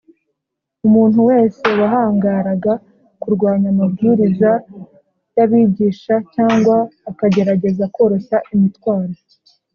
. Umuntu wese wahangaraga kurwanya amabwiriza y’abigisha cyangwa akagerageza koroshya imitwaro